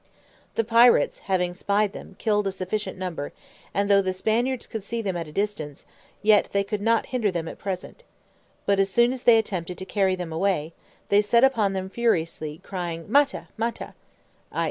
The pirates having spied them, killed a sufficient number; and though the Spaniards could see them at a distance, yet they could not hinder them at present; but as soon as they attempted to carry them away, they set upon them furiously, crying, "Mata, mata," _i.